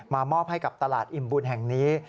มอบให้กับตลาดอิ่มบุญแห่งนี้